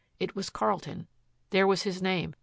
It was Carlton. There was his name.